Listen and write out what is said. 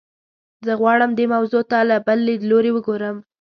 زه غواړم دې موضوع ته له بل لیدلوري وګورم.